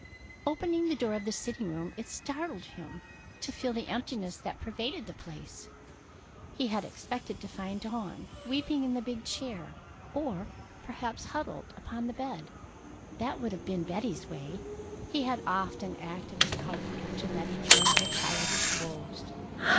Opening the door of the sitting room, it startled him to feel the emptiness that pervaded the place. He had expected to find Dawn weeping in the big chair, or perhaps huddled upon the bed. That would have been Betty's way. He had often acted as comforter to Betty during her childish woes.